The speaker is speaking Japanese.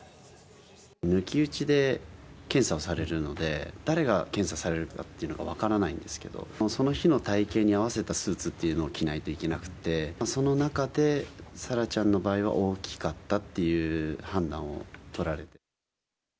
抜き打ちで検査をされるので、誰が検査されるかっていうのが分からないんですけど、その日の体形に合わせたスーツっていうのを着ないといけなくて、その中で沙羅ちゃんの場合は大きかったっていう判断を取られた。